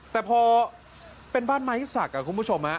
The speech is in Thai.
แต่พอเป็นบ้านไม้สักคุณผู้ชม